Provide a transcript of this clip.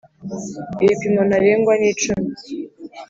ibipimo ntarengwa nicumi.